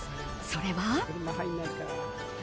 それは。